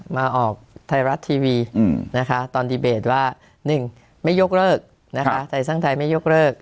มาออกไทยรัฐทีวีนะคะตอนดีเบตว่า๑ไม่ยกเลิกนะคะไทยสร้างไทยไม่ยกเลิก